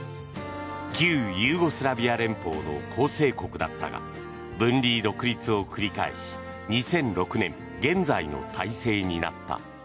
旧ユーゴスラビア連邦の構成国だったが分離・独立を繰り返し２００６年現在の体制になった。